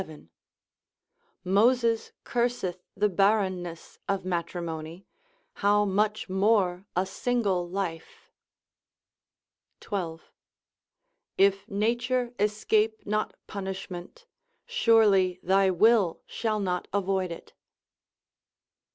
Moses curseth the barrenness of matrimony, how much more a single life?—12. If nature escape not punishment, surely thy will shall not avoid it.